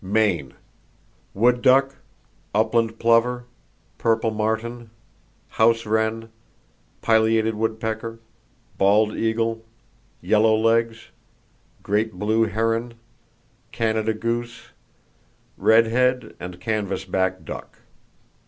Maine: Wood duck, upland plover, purple martin, house wren, pileated woodpecker, bald eagle, yellow legs, great blue heron, Canada goose, redhead and canvasback duck.